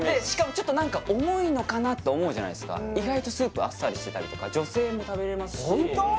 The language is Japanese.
しかもちょっと何か重いのかなと思うじゃないですか意外とスープあっさりしてたりとか女性も食べれますしホント？